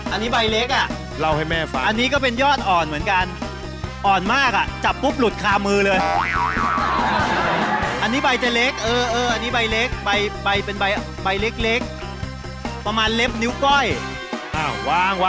อันนี้ใบเล็กน่ะอันนี้ก็เป็นยอดอ่อนเหมือนกันเล่าให้แม่ฟัง